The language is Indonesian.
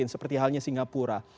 seperti halnya singapura